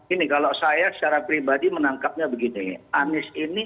ini kalau saya secara pribadi menangkapnya begini